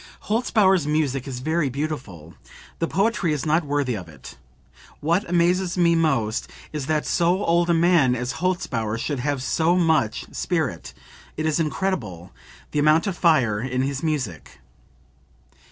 "Holzbauer's music is very beautiful; the poetry is not worthy of it. What amazes me most is that so old a man as Holzbauer should have so much spirit, it is incredible, the amount of fire in his music."